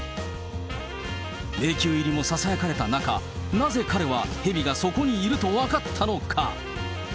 迷宮入りもささやかれた中、なぜ彼は、ヘビがそこにいると分かったのか？